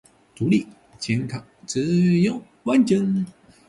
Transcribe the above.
独立健康自由完整